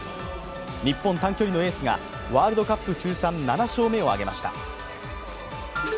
日本短距離のエースがワールドカップ通算７勝目を挙げました。